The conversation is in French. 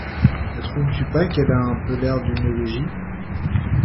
Ne trouves-tu pas qu’elle a un peu l’air d’une élégie?